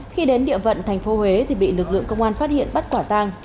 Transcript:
khi đến địa vận tp huế bị lực lượng công an phát hiện bắt quả tàng